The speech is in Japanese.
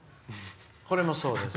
これも、そうです。